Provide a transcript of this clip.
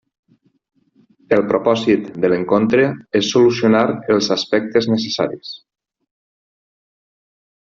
El propòsit de l'encontre és solucionar els aspectes necessaris.